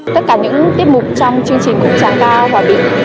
tất cả những tiết mục trong chương trình cũng trang cao hòa bình